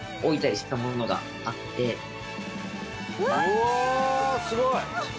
うわすごい！